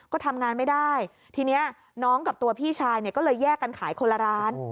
ก็ทำงานไม่ได้ทีนี้น้องกับตัวพี่ชายเนี่ยก็เลยแยกกันขายคนละร้าน